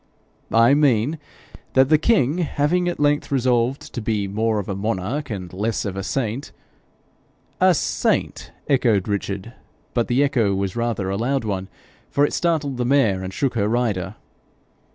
'I mean that, the king having at length resolved to be more of a monarch and less of a saint ' 'A saint!' echoed Richard, but the echo was rather a loud one, for it startled his mare and shook her rider.